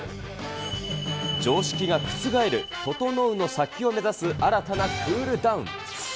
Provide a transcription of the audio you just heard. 常識が覆る、ととのうの先を目指す新たなクールダウン。